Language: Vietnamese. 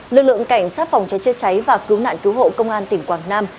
lực lượng cảnh sát phòng chế chế cháy và cứu nạn cứu hộ công an tỉnh quảng nam